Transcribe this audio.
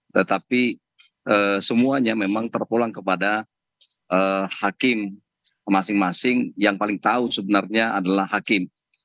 tetapi semuanya memang terpulang kepada hakim masing masing yang paling tahu sebenarnya adalah hakim